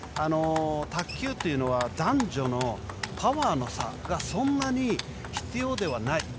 卓球というのは男女のパワーの差がそんなに必要ではない。